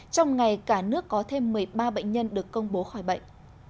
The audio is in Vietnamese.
trong ngày cả nước có thêm một mươi ba bệnh nhân được công bố khỏi bệnh